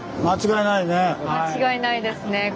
間違いないですね